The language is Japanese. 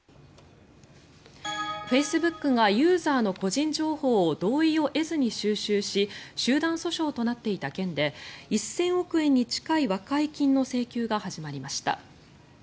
フェイスブックがユーザーの個人情報を同意を得ずに収集し集団訴訟となっていた件で１０００億円に近い和解金の請求が始まりました。